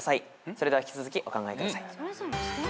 それでは引き続きお考えください。